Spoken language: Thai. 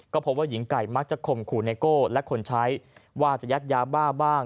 ก็พบว่าหญิงไก่มักจะข่มขู่ไนโก้และคนใช้ว่าจะยัดยาบ้าบ้าง